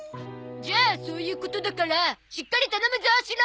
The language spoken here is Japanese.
じゃあそういうことだからしっかり頼むゾシロ！